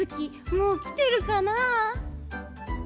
もうきてるかなあ？